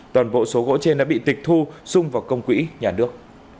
toàn bộ số gỗ trên đã bị tịch thu xung vào công quỹ nhà nước